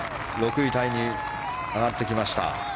６位タイに上がってきました。